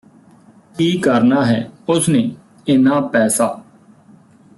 ਕੀ ਕਰਨਾ ਹੈ ਉਸ ਨੇ ਇੰਨਾ ਪੈਸਾ